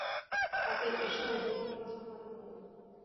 তাতে ঈর্ষার উদ্রেক হবে ও সব মাটি করে দেবে।